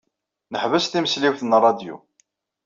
Neḥbes timesliwt n ṛṛadyu.